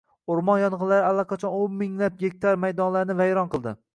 O‘rmon yong‘inlari allaqachon o‘n minglab gektar maydonlarni vayron qildi